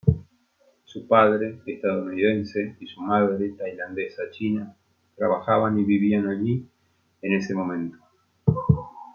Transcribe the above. Su padre, estadounidense, y su madre tailandesa-china trabajaban y vivían allí en ese momento.